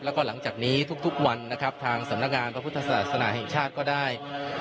แล้วก็หลังจากนี้ทุกวันนะครับทางสำนักงานพระพุทธศาสนาแห่งชาติก็ได้